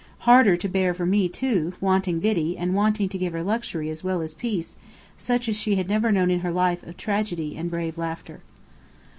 Harder to bear for me, too, wanting Biddy and wanting to give her luxury as well as peace, such as she had never known in her life of tragedy and brave laughter.